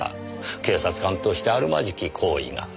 「警察官としてあるまじき行為が」。